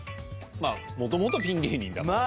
まあもともとピン芸人だから。